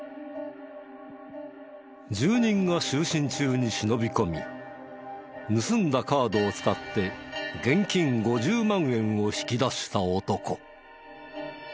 住人が就寝中に忍び込み盗んだカードを使って現金５０万円を引き出した男。